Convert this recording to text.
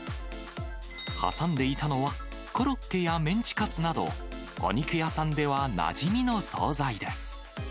挟んでいたのは、コロッケやメンチカツなど、お肉屋さんではなじみの総菜です。